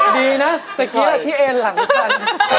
ดีนะเท่ากี้มันที่เอลหลังคัน